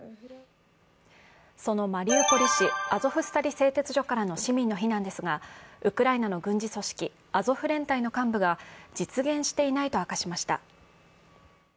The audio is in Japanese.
そのマリウポリ市、アゾフスタリ製鉄所からの市民の避難ですがウクライナの軍事組織、アゾフ連隊の幹部が実現していないと明かしました。